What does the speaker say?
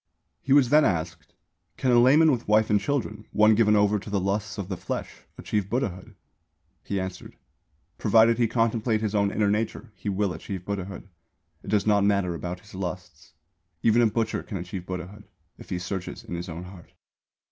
He was asked: "Can a layman with wife and children, one given over to the lusts of the flesh, achieve Buddhahood?" He answered: "Provided he contemplate his own inner nature, he will achieve Buddhahood. It does not matter about his lusts. Even a butcher can achieve Buddhahood, if he searches in his own heart."